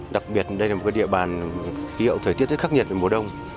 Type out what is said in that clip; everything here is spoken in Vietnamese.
đặc biệt đây là một địa bàn khí hậu thời tiết khắc nhiệt mùa đông